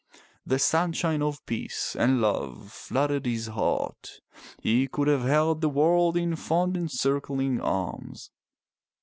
The sunshine of peace and love flooded his heart. He could have held the world in fond encircling arms.